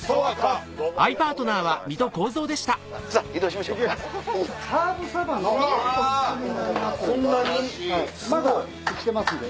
まだ生きてますんで。